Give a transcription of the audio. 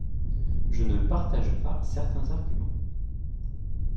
Je ne partage pas certains arguments.